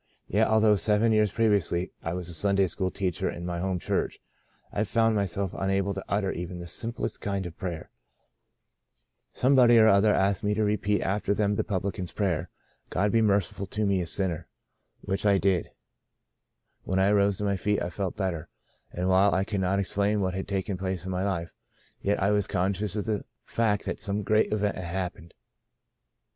Yet although seven years previously I was a Sunday school teacher in my home church, I found myself unable to utter even the simplest kind of a prayer. Somebody or other asked me By a Great Deliverance l6l to repeat after them the publican's prayer: *God be merciful to me a sinner/ which I did. When I arose to my feet I felt better, and while I could not explain what had taken place in my life, yet I was conscious of the fact that some great event had happened.